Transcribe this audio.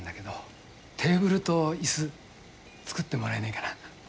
テーブルと椅子作ってもらえねえかな。